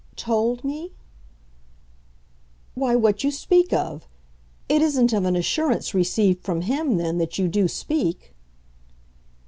"'Told' me ?" "Why, what you speak of. It isn't of an assurance received from him then that you do speak?"